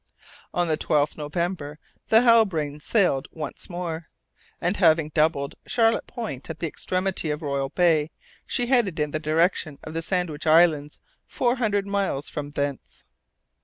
On the 12th November the Halbrane sailed once more, and having doubled Charlotte Point at the extremity of Royal Bay, she headed in the direction of the Sandwich Islands, four hundred miles from thence.